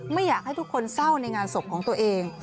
ไม่อยากให้ทุกคนเศร้าในงานศพของตัวเอง